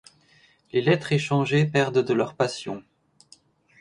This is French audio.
Les lettres échangées perdent de leur passion.